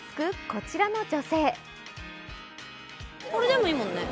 こちらの女性。